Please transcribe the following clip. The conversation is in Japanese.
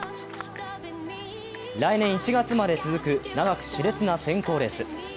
来年１月まで続く長くしれつな選考レース。